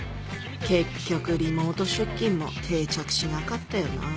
結局リモート出勤も定着しなかったよな